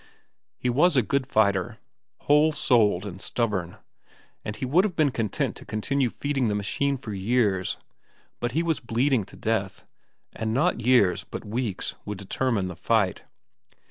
He was a good fighter, whole souled and stubborn, and he would have been content to continue feeding the machine for years; but he was bleeding to death, and not years but weeks would determine the fight.